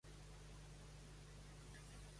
La residència del bisbe és The Palace, a Wells.